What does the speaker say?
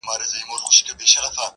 نن شپه بيا زه پيغور ته ناسته يمه _